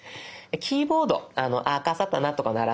キーボードあかさたなとか並んでいる所